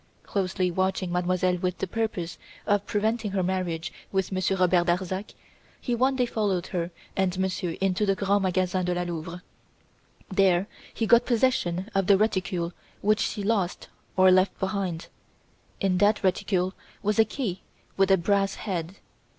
Closely watching Mademoiselle with the purpose of preventing her marriage with Monsieur Robert Darzac, he one day followed her and Monsieur into the Grands Magasins de la Louvre. There he got possession of the reticule which she lost, or left behind. In that reticule was a key with a brass head.